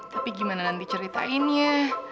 tapi gimana nanti ceritainnya